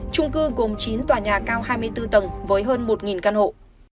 trung cư gồm chín tòa nhà cao hai mươi bốn tầng với hơn một căn hộ